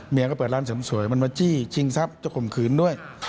เมียก็เปิดร้านสำสวยมันมาจี้ชิงทรัพย์เจ้าขมขืนด้วย